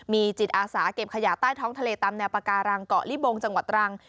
มีจิตอาสาเก็บขยะใต้ท้องทะเลตามแนวปาการังเกาะลิบงจังหวัดตรัง